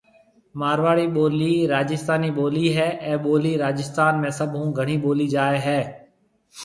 مارواڙي ٻولي رآجستانَي ٻولي هيَ اَي ٻولي رآجستان ۾ سڀ هون گھڻي ٻولي جائي هيَ۔